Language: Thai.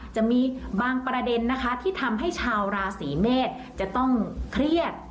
จะมีบางประเด็นนะคะที่ทำให้ชาวราศีเมษจะต้องเครียด